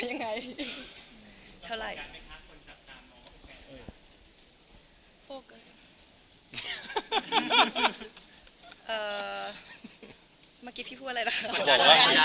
เอ่อเมื่อกี้พี่พูดอะไรหรอค่ะ